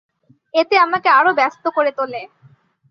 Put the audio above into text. এতে আমাকে আরো ব্যস্ত করে তোলে।